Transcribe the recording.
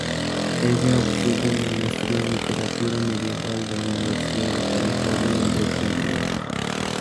Ella obtuvo una maestría en literatura medieval de la Universidad de California en Berkeley.